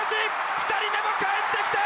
２人目もかえってきた！